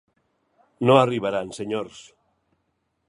No arribaran, senyors.